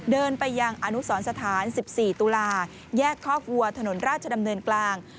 เดินไปยังอนุสรสถาน๑๔ตุลาแยกคอกวัวถนนราชดำเนินกลาง